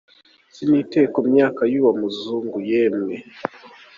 Sinitaye ku myaka y’uwo muzungu, yemwe